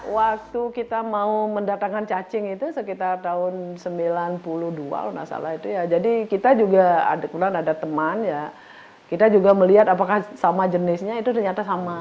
waktu kita mau mendatangkan cacing itu sekitar tahun sembilan puluh dua jadi kita juga ada teman kita juga melihat apakah sama jenisnya itu ternyata sama